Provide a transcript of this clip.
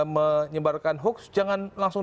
menyebarkan hoax jangan langsung